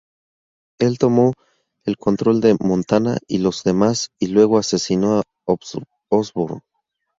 Él tomó el control de Montana y los demás y luego asesinó a Osborn.